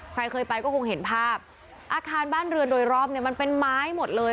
ใครเคยไปก็คงเห็นภาพอาคารบ้านเรือนโดยรอบเนี่ยมันเป็นไม้หมดเลย